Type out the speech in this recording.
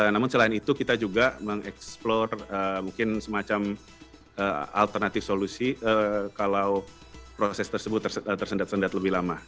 namun selain itu kita juga mengeksplor mungkin semacam alternatif solusi kalau proses tersebut tersendat sendat lebih lama